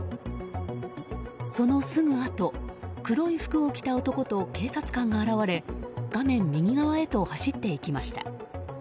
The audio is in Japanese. そのすぐあと黒い服を着た男と警察官が現れ画面右側へと走っていきました。